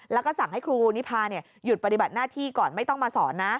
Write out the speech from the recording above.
แล้วก็สั่งให้ครูนิพาหยุดปฏิบัติหน้าที่ก่อนไม่ต้องมาสอนนะ